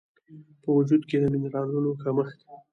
په وجود کې د مېنرالونو کمښت